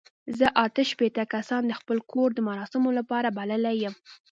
زه اته شپېته کسان د خپل کور د مراسمو لپاره بللي یم.